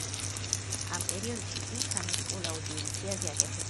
ამ პერიოდში ის ამერიკულ აუდიენციაზე აკეთებს აქცენტს.